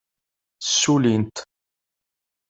Ssullint.